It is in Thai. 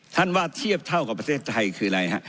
ท่านว่าเทียบเท่ากับประเทศไทยคืออะไรฮะ